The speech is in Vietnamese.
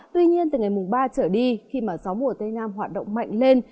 tuy nhiên từ ngày ba trở đi khi mà gió mùa tây nam hoạt động mạnh lên